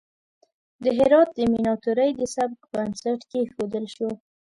د هرات د میناتوری د سبک بنسټ کیښودل شو.